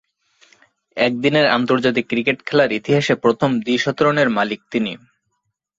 একদিনের আন্তর্জাতিক ক্রিকেট খেলার ইতিহাসে প্রথম দ্বি-শতরানের মালিক তিনি।